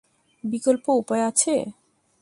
বিকল্প উপায় আছে?